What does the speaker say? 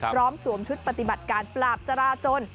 สวมชุดปฏิบัติการปราบจราจน